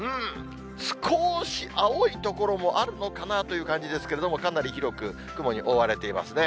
少し青い所もあるのかなという感じですけれども、かなり広く雲に覆われていますね。